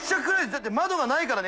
だって窓がないからね。